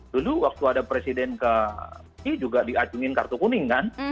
dulu waktu ada presiden ke i juga diacungin kartu kuning kan